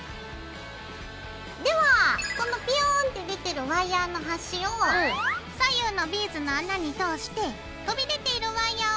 ではそのビューンって出てるワイヤーの端を左右のビーズの穴に通して飛び出ているワイヤーを引っ張りながら。